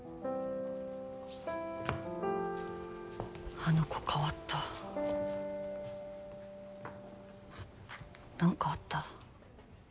あの子変わった何かあった？